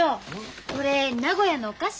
これ名古屋のお菓子。